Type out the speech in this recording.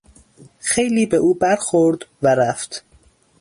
خیلی به او برخورد و رفت.